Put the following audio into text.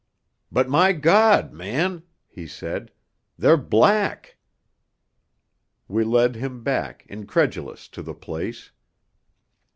'But, my God, man,' he said, 'they're black!' We led him back, incredulous, to the place.